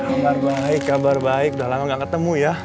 kabar baik kabar baik udah lama gak ketemu ya